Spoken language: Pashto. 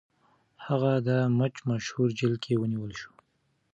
هغه د مچ مشهور جیل کې ونیول شو.